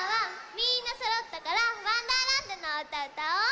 みんなそろったから「わんだーらんど」のおうたうたおう。